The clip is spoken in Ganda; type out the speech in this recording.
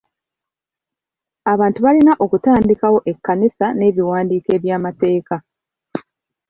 Abantu balina okutandikawo ekkanisa n'ebiwandiiko eby'amateeka.